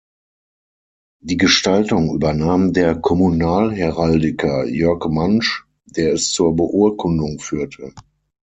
Die Gestaltung übernahm der Kommunalheraldiker Jörg Mantzsch, der es zur Beurkundung führte.